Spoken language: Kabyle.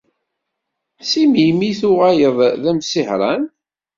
Si melmi i tuɣaleḍ d amsihran?